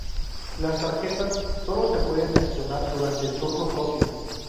Las tarjetas solo se pueden accionar durante el turno propio.